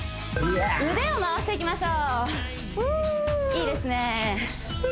腕を回していきましょういいですね